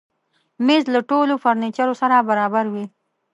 مېز له ټولو فرنیچرو سره برابر وي.